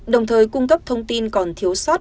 đồng thời cung cấp thông tin còn thiếu sót